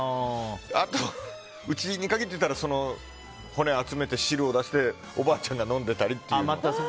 あとうちに限って言ったら骨を集めて、汁を出しておばあちゃんが飲んでたりっていう。